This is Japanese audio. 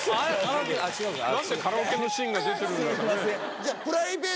何でカラオケのシーンが出てるんだかね。